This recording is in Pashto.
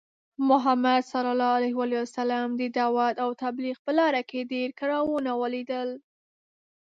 محمد ص د دعوت او تبلیغ په لاره کې ډی کړاوونه ولیدل .